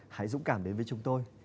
hãy dũng cảm đến với chúng tôi